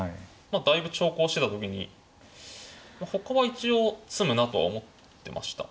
だいぶ長考してた時にほかは一応詰むなとは思ってました。